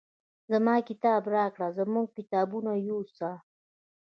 زما کتاب راکړه زموږ کتابونه یوسه.